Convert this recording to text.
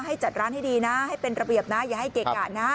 ให้จัดร้านให้ดีนะให้เป็นระเบียบนะอย่าให้เกะกะนะ